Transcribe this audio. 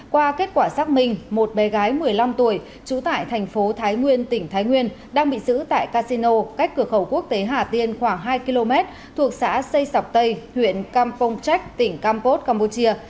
qua kết quả xác minh một bé gái một mươi năm tuổi trú tại thành phố thái nguyên tỉnh thái nguyên đang bị giữ tại casino cách cửa khẩu quốc tế hà tiên khoảng hai km thuộc xã xây sọc tây huyện campong chek tỉnh campuchia